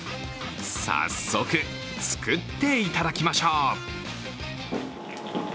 早速、作っていただきましょう。